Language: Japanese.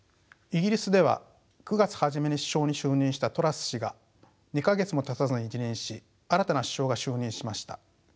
イギリスでは９月初めに首相に就任したトラス氏が２か月もたたずに辞任し新たな首相が就任しました。